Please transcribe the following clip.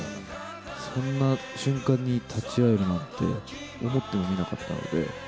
そんな瞬間に立ち会えるなんて思ってもみなかったので。